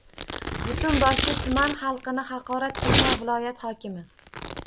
Butun boshli tuman xalqini haqorat qilgan viloyat hokimi